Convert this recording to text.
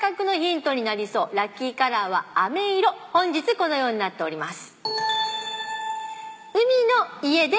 このようになっております。